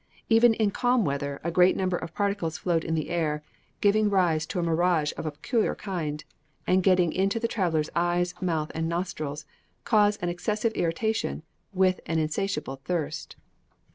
Even in calm weather a great number of particles float in the air, giving rise to a mirage of a peculiar kind, and getting into the traveller's eyes, mouth, and nostrils, cause an excessive irritation, with an insatiable thirst.